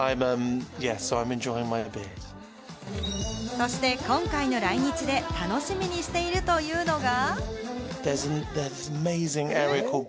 そして今回の来日で楽しみにしているというのが。